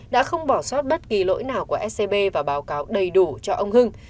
đã không bỏ sót bất kỳ lỗi nào của scb và báo cáo đầy đủ cho ông hưng